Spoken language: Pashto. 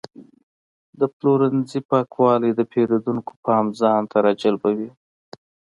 د پلورنځي پاکوالی د پیرودونکو پام ځان ته راجلبوي.